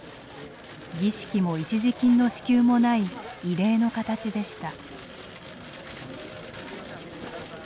儀式も一時金の支給もない異例の形でした。